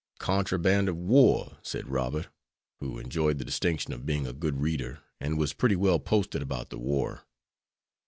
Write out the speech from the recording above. "Contraband of war," said Robert, who enjoyed the distinction of being a good reader, and was pretty well posted about the war.